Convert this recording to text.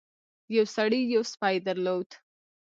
یو سړي یو سپی درلود.